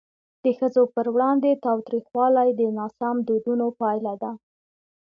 د ښځو پر وړاندې تاوتریخوالی د ناسم دودونو پایله ده.